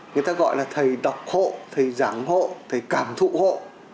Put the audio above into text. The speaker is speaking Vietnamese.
người ta gọi là thầy đọc hộ thầy giảng hộ thầy cảm thụ hộ